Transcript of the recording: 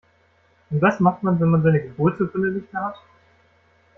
Und was macht man, wenn man seine Geburtsurkunde nicht mehr hat?